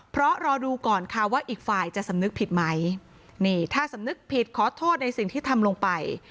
เพราะรอดูก่อนค่ะว่าอีกฝ่ายจะสำนึกผิดไหมนี่ถ้าสำนึกผิดขอโทษในสิ่งที่ทำลงไป